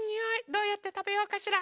どうやってたべようかしら？